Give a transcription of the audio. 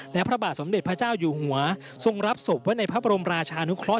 และพระบาทสมเด็จพระเจ้าอยู่หัวทรงรับศพไว้ในพระบรมราชานุเคราะห